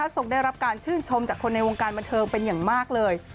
ทรงได้รับการชื่นชมจากคนในวงการบันเทิงเป็นอย่างมากเลย